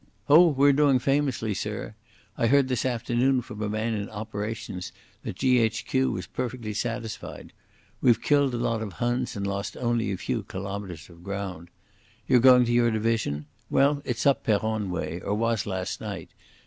"Oh, we're doing famously, sir. I heard this afternoon from a man in Operations that G.H.Q. was perfectly satisfied. We've killed a lot of Huns and only lost a few kilometres of ground.... You're going to your division? Well, it's up Peronne way, or was last night.